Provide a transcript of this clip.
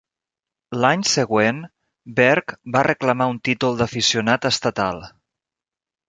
L'any següent, Berg va reclamar un títol d'aficionat estatal.